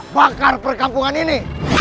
bakar perkampungan ini